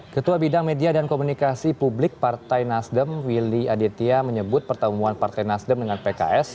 ketua bidang media dan komunikasi publik partai nasdem willy aditya menyebut pertemuan partai nasdem dengan pks